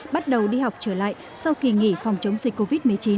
bắt đầu đi học trở lại sau kỳ nghỉ phòng chống dịch covid một mươi chín